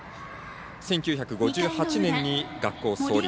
１９５８年に学校創立。